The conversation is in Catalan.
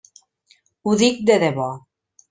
Ho dic de debò.